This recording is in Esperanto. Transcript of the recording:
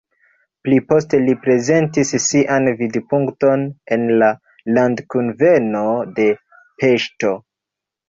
Pli poste li prezentis sian vidpunkton en la landkunveno de Peŝto.